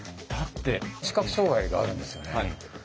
だって視覚障害があるんですよね。